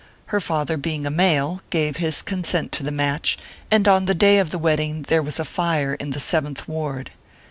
Her father being a male, gave his consent to the match, and on the day of the wedding, there was a fire in the Seventh Ward.